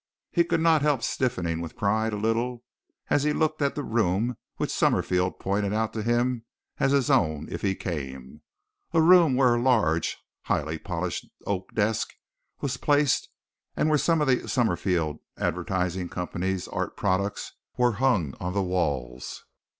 He could not help stiffening with pride a little as he looked at the room which Summerfield pointed out to him as his own if he came a room where a large, highly polished oak desk was placed and where some of the Summerfield Advertising Company's art products were hung on the walls.